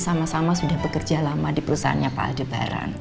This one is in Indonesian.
sama sama sudah bekerja lama di perusahaannya pak aljabaran